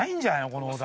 このお題。